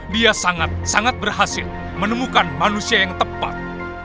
dia sangat sangat berhasil menemukan manusia yang tepat